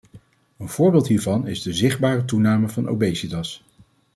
Een voorbeeld hiervan is de zichtbare toename van obesitas.